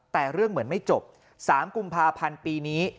แต่เรื่องเหมือนไม่จบ๓กุมภาพันธ์ปีนี้